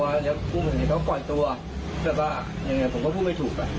แล้วกุ้งคนเดียวเขากล่อยตัวแบบว่ายังไงผมก็พูดไม่ถูก